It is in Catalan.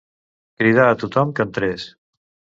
Cridà a tothom que entrés